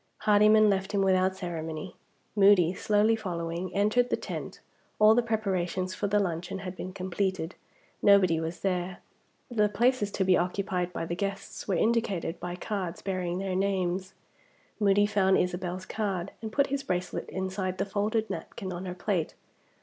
Hardyman left him without ceremony. Moody, slowly following, entered the tent. All the preparations for the luncheon had been completed; nobody was there. The places to be occupied by the guests were indicated by cards bearing their names. Moody found Isabel's card, and put his bracelet inside the folded napkin on her plate.